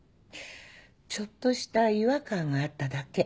ちょっとした違和感があっただけ。